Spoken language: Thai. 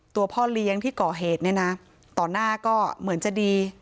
พ่อเลี้ยงที่ก่อเหตุเนี่ยนะต่อหน้าก็เหมือนจะดี